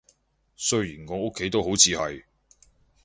雖然我屋企都好似係